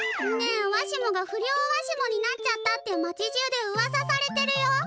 ねえわしもが不良わしもになっちゃったってまちじゅうでうわさされてるよ！